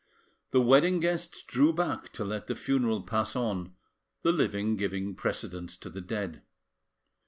The wedding guests drew back to let the funeral pass on, the living giving precedence to the dead.